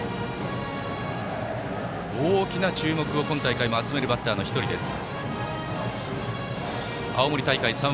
大きな注目を今大会も集める１人です。